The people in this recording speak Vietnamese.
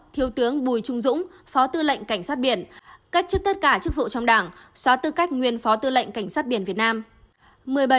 một mươi sáu thiếu tướng bùi trung dũng phó tư lệnh cảnh sát biển cách trích tất cả chức vụ trong đảng xóa tư cách nguyên phó tư lệnh cảnh sát biển việt nam